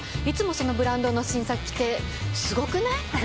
いつもそのブランドの新作着てすごくない？